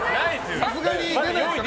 さすがに出ないですよね。